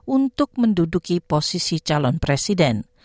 untuk menduduki posisi calon presiden